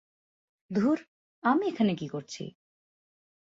ধুর, আমি এখানে কি করছি?